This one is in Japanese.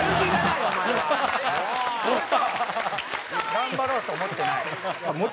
頑張ろうと思ってない。